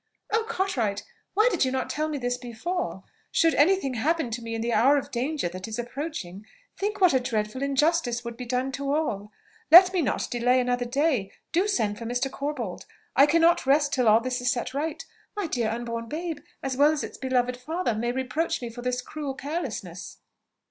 "Oh, Cartwright! why did you not tell me this before! Should any thing happen to me in the hour of danger that is approaching, think what a dreadful injustice would be done to all! Let me not delay another day, do send for Mr. Corbold, I cannot rest till all this is set right. My dear unborn babe, as well as its beloved father, may reproach me for this cruel carelessness."